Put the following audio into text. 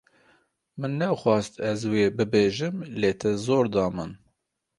Min nexwast ez wê bibêjim lê te zor da min.